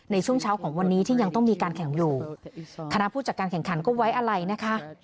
ในช่วงเช้าของวันนี้ที่ยังต้องมีการแข่งอยู่คณะผู้จัดการแข่งขันก็ไว้อะไรนะคะ